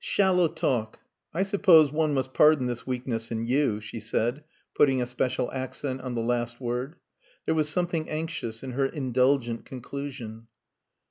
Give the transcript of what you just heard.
"Shallow talk! I suppose one must pardon this weakness in you," she said, putting a special accent on the last word. There was something anxious in her indulgent conclusion.